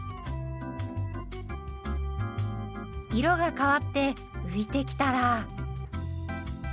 色が変わって浮いてきたら。